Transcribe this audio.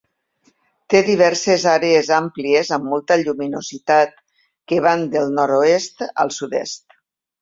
Té diverses àrees àmplies amb molta lluminositat que van del nord-oest al sud-est.